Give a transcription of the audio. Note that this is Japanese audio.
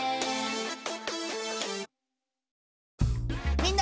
みんな！